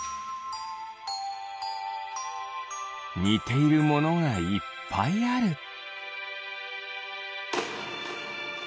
にているものがいっぱいある。